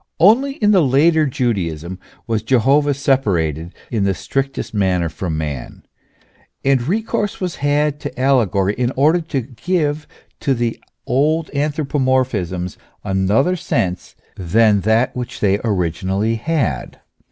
Only in the later Judaism was Je hovah separated in the strictest manner from man, and recourse THE CONTRADICTION IN THE EXISTENCE OF GOD. 197 was had to allegory in order to give to the old anthropo morphisms another sense than that which they originally had.